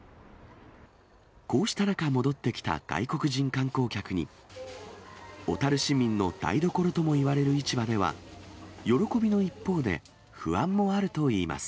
こうした中、戻ってきた外国人観光客に、小樽市民の台所ともいわれる市場では、喜びの一方で、不安もあるといいます。